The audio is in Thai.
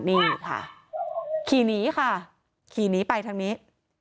นี่ค่ะขี่หนีค่ะขี่หนีไปทางนี้